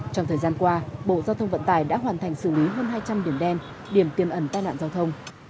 trong thời gian qua bộ giao thông vận tải đã hoàn thành xử lý hơn hai trăm linh điểm đen điểm tiêm ẩn tai nạn giao thông